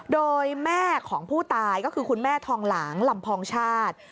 โดยแม่ของผู้ตายก็คือคุณแม่ทองหลางลำพองชาติ